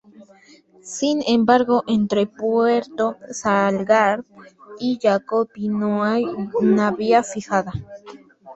Sin Embargo entre Puerto Salgar y Yacopí No hay una vía fijada.